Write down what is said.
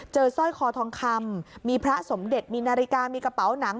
สร้อยคอทองคำมีพระสมเด็จมีนาฬิกามีกระเป๋าหนัง